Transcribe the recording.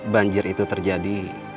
banjir itu terjadi